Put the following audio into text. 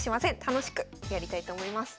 楽しくやりたいと思います。